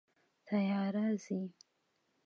تیاره ځي